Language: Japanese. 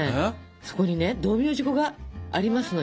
そこにね道明寺粉がありますのよ。